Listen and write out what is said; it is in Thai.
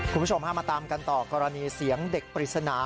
คุณผู้ชมพามาตามกันต่อกรณีเสียงเด็กปริศนา